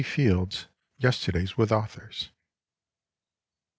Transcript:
Fields's Yesterdays with Authors.